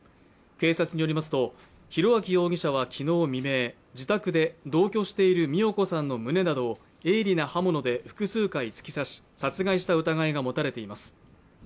警察によりますと裕昭容疑者は昨日未明自宅で、同居している美代子さんの胸などを鋭利な刃物で複数回突き刺し殺害した疑いが持たれています。